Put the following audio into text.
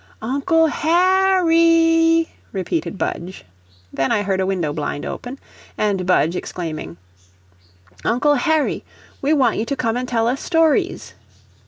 "Uncle Har RAY!" repeated Budge. Then I heard a window blind open, and Budge exclaiming: "Uncle Harry, we want you to come and tell us stories."